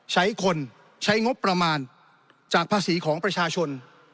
ใช้คนใช้งบประมาณจากภาษีของประชาชน